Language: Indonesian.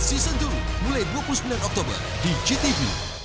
ismo star indonesia season dua mulai dua puluh sembilan oktober di gtv